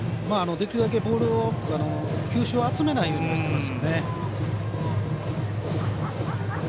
できるだけボールを球種を集めないようにはしてますよね。